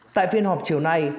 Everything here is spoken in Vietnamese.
tại phiên họp chiều nay